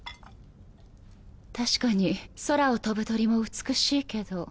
確かに空を飛ぶ鳥も美しいけど。